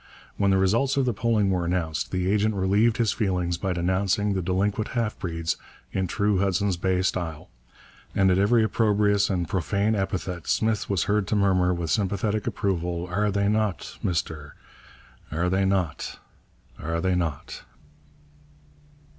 When the results of the polling were announced, the agent relieved his feelings by denouncing the delinquent half breeds in true Hudson's Bay style, and at every opprobrious and profane epithet Smith was heard to murmur with sympathetic approval, 'Are they not, Mr ? are they not? are they not?'